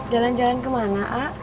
jalan jalan kemana a